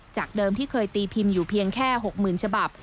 จากเดิมที่เคยตีพิมพ์อยู่เพียงแค่๖๐๐๐ฉบับ